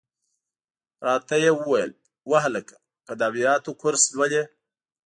را ته یې وویل: وهلکه! که د ادبیاتو کورس لولې.